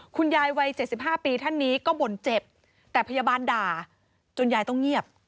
คุณยายวัย๗๕ปีท่านนี้ก็บ่นเจ็บแต่พยาบาลด่าจนยายต้องเงียบ